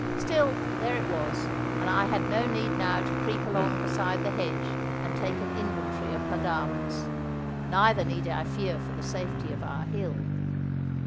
Still, there it was; and I had no need now to creep along beside the hedge and take an inventory of her garments; neither need I fear for the safety of our hill.